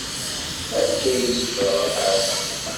Amek ay zemreɣ ad ɛawneɣ?